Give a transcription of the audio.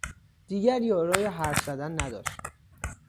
دیگر یارای حرف زدن نداشت